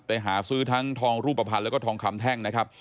ไปหาซื้อทั้งทองรูปภัณฑ์แล้วก็ทองคำแท่งนะครับ